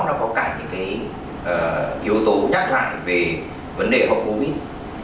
trong đó nó có cả những cái yếu tố nhắc lại về vấn đề hậu covid